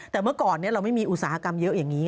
แต่เมื่อก่อนเราไม่มีอุตสาหกรรมเยอะอย่างนี้